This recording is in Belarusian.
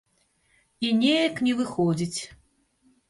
І неяк не выходзіць.